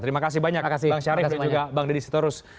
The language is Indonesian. terima kasih banyak bang syarif dan juga bang deddy sitorus